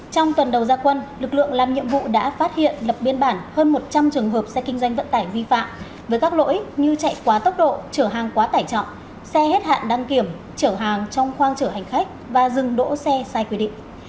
trong tuần đầu gia quân lực lượng làm nhiệm vụ đã phát hiện lập biên bản hơn một trăm linh trường hợp xe kinh doanh vận tải vi phạm với các lỗi như chạy quá tốc độ trở hàng quá tải trọng xe hết hạn đăng kiểm chở hàng trong khoang chở hành khách và dừng đỗ xe sai quy định